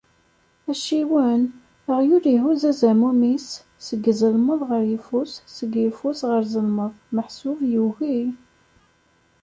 Acciwen? Aɣyul ihuzz azamum-is seg ẓelmeḍ ɣer yeffus, seg yeffus ɣer ẓelmeḍ. Meḥsub yugi.